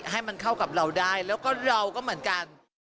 ให้มันเข้ากับเราได้แล้วก็เราก็เหมือนกัน